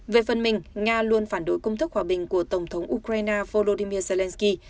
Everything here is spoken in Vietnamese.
về phần mình nga luôn phản đối công thức hòa bình của tổng thống ukraine volodymyr zelensky